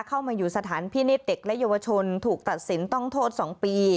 เข้ามาอยู่สถานพินิษฐ์เด็กและเยาวชนถูกตัดสินต้องโทษ๒ปี